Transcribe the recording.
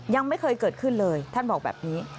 ยังไม่เคยเกิดขึ้นเลยท่านบอกแบบนี้